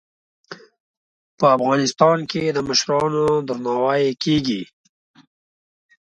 په افغانستان کې د مشرانو درناوی کیږي.